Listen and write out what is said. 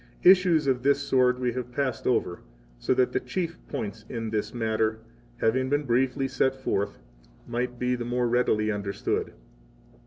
Issues of this sort we have passed over so that the chief points in this matter, having been briefly set forth, might be the more readily understood.